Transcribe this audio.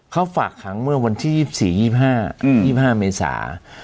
เขาฝากขังเมื่อวันที่๒๔๒๕๒๕เมษา